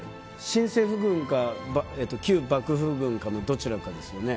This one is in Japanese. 新政府軍か旧幕府軍かのどちらかですよね。